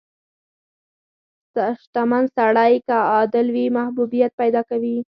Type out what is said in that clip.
• شتمن سړی که عادل وي، محبوبیت پیدا کوي.